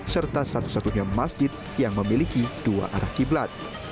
serta satu satunya masjid yang memiliki dua arah qiblat